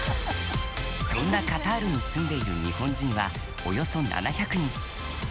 そんなカタールに住んでいる日本人はおよそ７００人。